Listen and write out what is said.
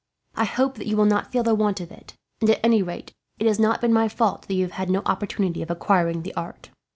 I hope you will not feel the want of it, and at any rate, it has not been my fault that you have had no opportunity of acquiring the art.